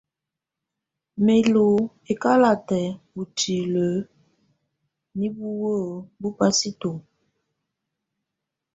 Mɛ̀ lù ɛkalatɛ utilǝ nɛ̀ buwǝ́ bù pasito.